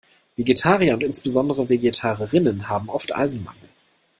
Vegetarier und insbesondere Vegetarierinnen haben oft Eisenmangel.